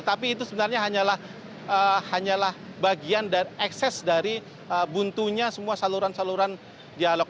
tapi itu sebenarnya hanyalah bagian dan ekses dari buntunya semua saluran saluran dialog